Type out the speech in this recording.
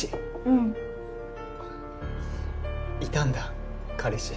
うんいたんだ彼氏